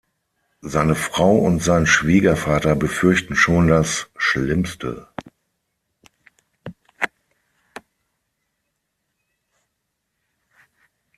Seine Frau und sein Schwiegervater befürchten schon das Schlimmste.